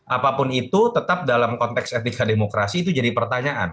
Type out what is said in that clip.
apapun itu tetap dalam konteks etika demokrasi itu jadi pertanyaan